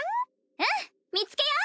うん見つけよう！